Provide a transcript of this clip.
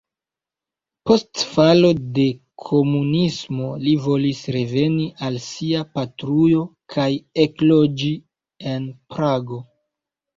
Post falo de komunismo li volis reveni al sia patrujo kaj ekloĝi en Prago.